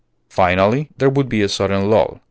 Finally, there would be a sudden lull.